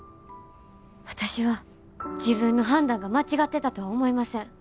私は自分の判断が間違ってたとは思いません。